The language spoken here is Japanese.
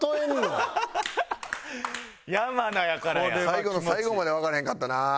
最後の最後までわからへんかったな。